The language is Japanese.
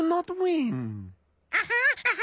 アハハハ。